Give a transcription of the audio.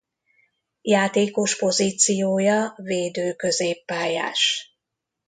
Játékos pozíciója védő középpályás.